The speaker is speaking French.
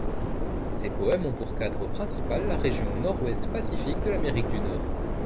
Ces poèmes ont pour cadre principal la région Nord-Ouest Pacifique de l’Amérique du Nord.